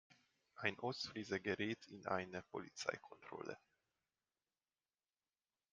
Ein Ostfriese gerät in eine Polizeikontrolle.